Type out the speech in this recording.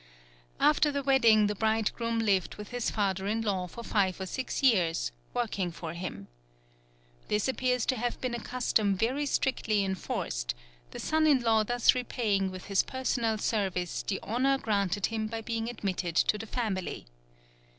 After the wedding the bridegroom lived with his father in law for five or six years, working for him. This appears to have been a custom very strictly enforced, the son in law thus repaying with his personal service the honour granted him by being admitted to the family.